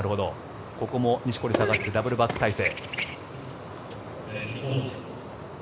ここも錦織下がってダブルバック体制。